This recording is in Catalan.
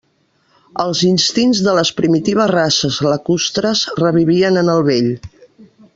Els instints de les primitives races lacustres revivien en el vell.